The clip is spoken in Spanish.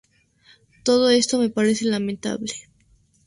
Todo esto me parece lamentable".